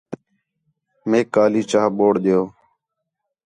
میک کالی چاہ بوڑ ݙیو